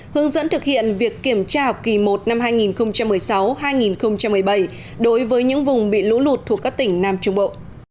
hướng dẫn thực hiện việc kiểm tra học kỳ một năm hai nghìn một mươi sáu hai nghìn một mươi bảy đối với những vùng bị lũ lụt thuộc các tỉnh nam trung bộ